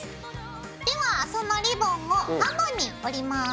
ではそのリボンを半分に折ります。